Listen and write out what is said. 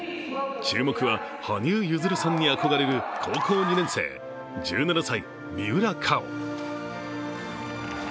注目は、羽生結弦さんに憧れる高校２年生、１７歳、三浦佳生。